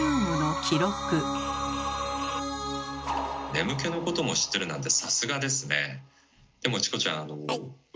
眠気のことも知ってるなんてさすがですね。